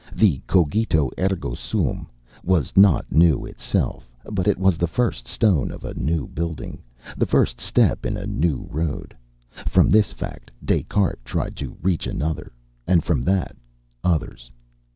The Cogito ergo Sum was not new itself, but it was the first stone of a new building the first step in a new road: from this fact Des Cartes tried to reach another, and from that others.